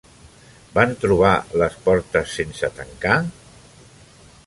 Van trobar les portes sense tancar?